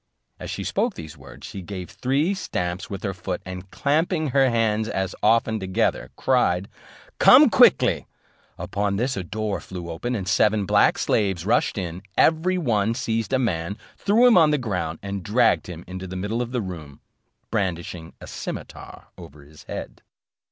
As she spoke these words, she gave three stamps with her foot, and clapping her hands as often together, cried, "Come quickly:" upon this, a door flew open, and seven black slaves rushed in; every one seized a man, threw him on the ground, and dragged him into the middle of the room, brandishing a cimeter over his head.